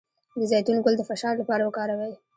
د زیتون ګل د فشار لپاره وکاروئ